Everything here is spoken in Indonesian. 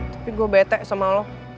tapi gue betek sama lo